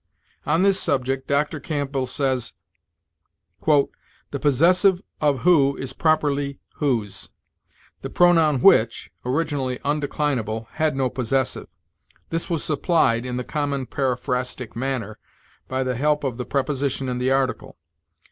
On this subject Dr. Campbell says: "The possessive of who is properly whose. The pronoun which, originally indeclinable, had no possessive. This was supplied, in the common periphrastic manner, by the help of the preposition and the article.